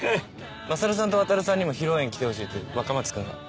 マサルさんとワタルさんにも披露宴来てほしいって若松君が。